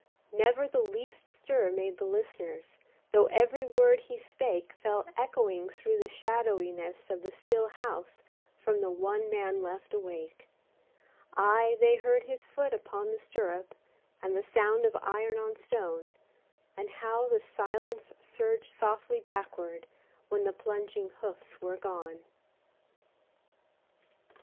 Never the least stir made the listeners, Though every word he spake Fell echoing through the shadowiness of the still house From the one man left awake: Aye, they heard his foot upon the stirrup, And the sound of iron on stone, And how the silence surged softly backward, When the plunging hoofs were gone.